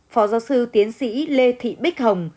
phó giáo sư tiến sĩ lê thị bích hồng